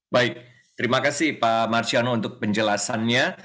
baik terima kasih pak marsiano untuk penjelasannya